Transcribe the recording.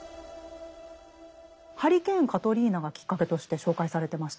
ハリケーン・カトリーナがきっかけとして紹介されてましたね。